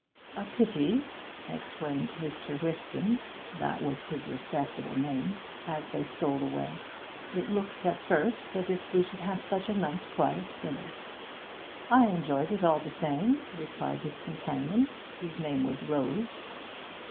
'A pity!' exclaimed Mr. Whiston (that was his respectable name) as they strolled away. 'It looked at first as if we should have such a nice quiet dinner.' 'I enjoyed it all the same,' replied his companion, whose name was Rose.